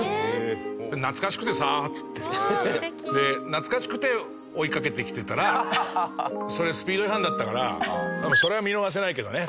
「懐かしくて追いかけてきてたらそれスピード違反だったからそれは見逃せないけどね」